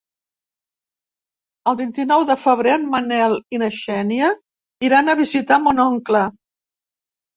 El vint-i-nou de febrer en Manel i na Xènia iran a visitar mon oncle.